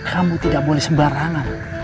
kamu tidak boleh sembarangan